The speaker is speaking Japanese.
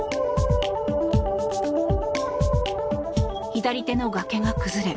左手の崖が崩れ